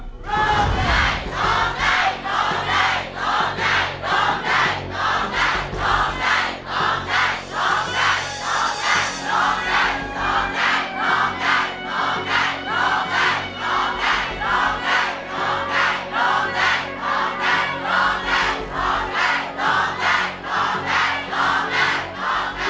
โทษให้โทษให้โทษให้โทษให้โทษให้โทษให้